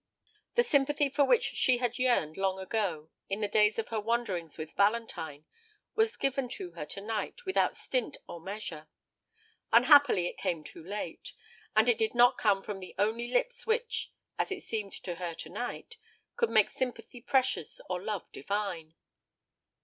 The sympathy for which she had yearned long ago, in the days of her wanderings with Valentine, was given to her to night without stint or measure. Unhappily it came too late; and it did not come from the only lips which, as it seemed to her to night, could make sympathy precious or love divine.